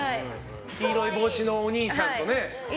黄色い帽子のお兄さんとね。